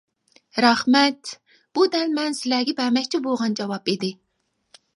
رەھمەت، بۇ دەل مەن سىلەرگە بەرمەكچى بولغان جاۋاب ئىدى.